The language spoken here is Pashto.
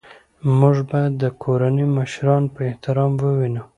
موږ باید د کورنۍ مشران په احترام ووینو